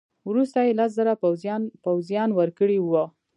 وروسته یې لس زره پوځیان ورکړي وه.